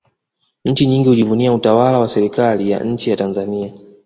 nchi nyingi hujivunia utawala wa serikali ya nchi ya tanzania